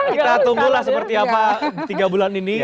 kita tunggulah seperti apa tiga bulan ini